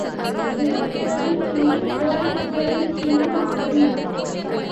நிறப்பிறழ்ச்சியும் கோளப்பிறழ்ச்சியும் ஆகும்.